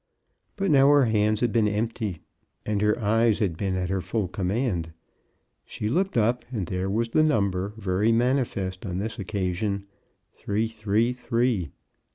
But now her hands had been empty, and her eyes had been at her full command. She looked up, and there was the number, very manifest on this occasion — 333.